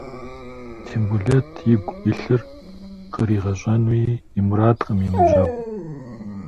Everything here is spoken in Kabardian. Тембулэт игу илъыр къригъэщӏэнуи и мурадкъым и ныбжьэгъум.